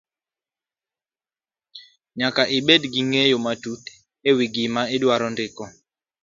nyaka ibed gi ng'eyo matut e wi gima idwaro ndiko.